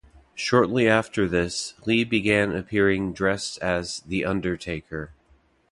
Shortly after this, Lee began appearing dressed as The Undertaker.